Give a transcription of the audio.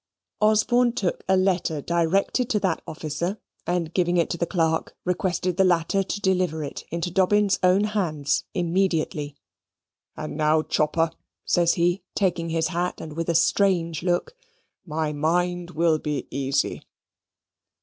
Osborne took a letter directed to that officer, and giving it to the clerk, requested the latter to deliver it into Dobbin's own hands immediately. "And now, Chopper," says he, taking his hat, and with a strange look, "my mind will be easy."